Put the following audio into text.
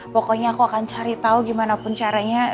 pokoknya aku akan cari tahu gimana pun caranya